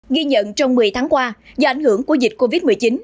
ghi nhận trong một mươi tháng qua do ảnh hưởng của dịch covid một mươi chín